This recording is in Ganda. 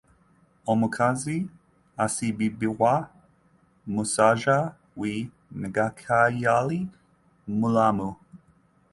Omukazi asibibwa musajja we ng'akyali mulamu.